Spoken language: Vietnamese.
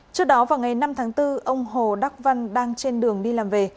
trước đó vào ngày năm tháng bốn ông hồ đắc văn đang trên đường đi làm về